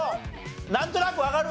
なんとなくわかるわな？